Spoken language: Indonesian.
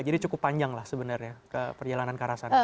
jadi cukup panjang lah sebenarnya perjalanan ke arah sana